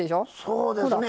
そうですね。